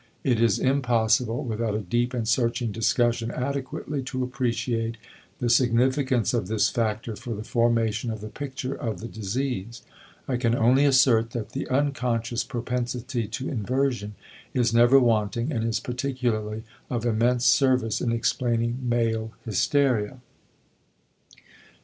It is impossible, without a deep and searching discussion, adequately to appreciate the significance of this factor for the formation of the picture of the disease; I can only assert that the unconscious propensity to inversion is never wanting and is particularly of immense service in explaining male hysteria.